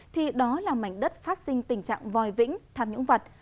thì đó là mảnh đất phát sinh tình trạng vòi vĩnh tham nhũng vật